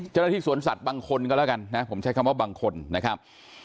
เจ้าหน้าที่สวนสัตว์บางคนก็แล้วกันนะผมใช้คำว่าบางคนนะครับ